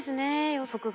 予測が。